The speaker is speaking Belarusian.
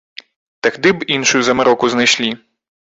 Тагды б іншую замароку знайшлі.